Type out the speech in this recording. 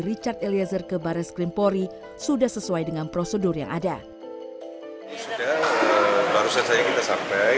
richard eliezer ke barres krimpori sudah sesuai dengan prosedur yang ada barusan saya kita sampai